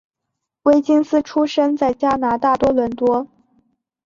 威金斯出生在加拿大多伦多。